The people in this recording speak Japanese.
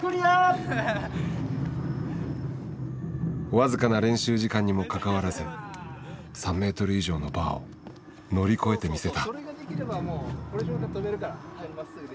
僅かな練習時間にもかかわらず３メートル以上のバーを乗り越えてみせた。